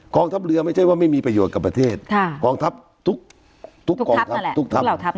ทัพเรือไม่ใช่ว่าไม่มีประโยชน์กับประเทศกองทัพทุกกองทัพแหละทุกทัพเหล่าทัพ